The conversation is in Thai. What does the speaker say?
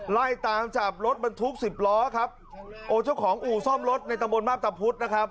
ล่อยตามจับรถมันทุกสิบล้อครับ